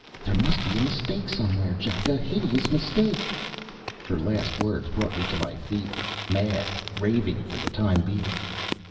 There must be a mistake somewhere, Jack. A hideous mistake." Her last words brought me to my feet mad raving for the time being.